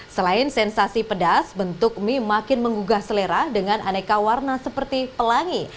selain sensasi pedas bentuk mie makin menggugah selera dengan aneka warna seperti pelangi